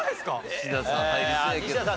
西田さん入りそうやけどな。